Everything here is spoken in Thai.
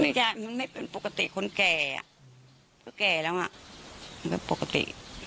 ไม่ใช่มันไม่เป็นปกติคนแก่อ่ะก็แก่แล้วอ่ะมันเป็นปกติ